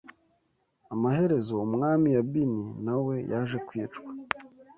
Amaherezo umwami Yabini na we yaje kwicwa